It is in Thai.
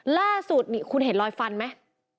ล่าสุดนี่คุณเห็นรอยฟันไหม